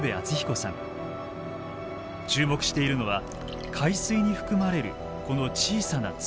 注目しているのは海水に含まれるこの小さな粒。